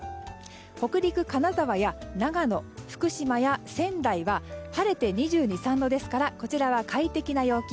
北陸、神奈川や長野福島や仙台は晴れて２２２３度ですからこちらは快適な陽気。